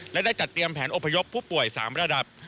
และได้จัดเตรียมแผนอพยพผู้ป่วย๓ระดับ